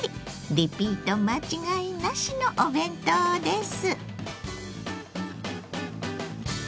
リピート間違いなしのお弁当です。